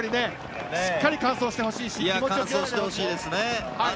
しっかり完走してほしいし完走してほしいですね。